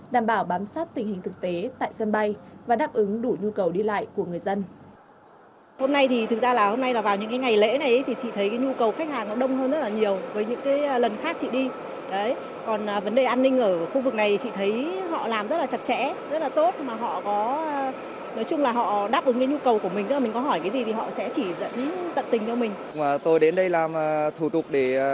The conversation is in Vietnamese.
đảm bảo bám sát tình hình thực tế tại sân bay và đáp ứng đủ nhu cầu đi lại của người dân